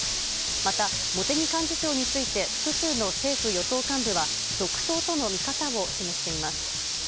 また、茂木幹事長について複数の政府与党幹部は続投との見方を示しています。